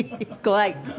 怖い。